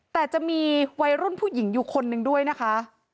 แต่จะมีวัยรุ่นผู้หญิงอยู่คนนึงด้วยนะคะ